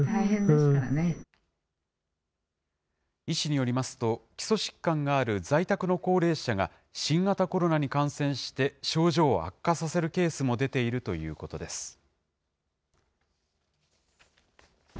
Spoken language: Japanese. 医師によりますと、基礎疾患がある在宅の高齢者が、新型コロナに感染して、症状を悪化させるケースも出ているということです。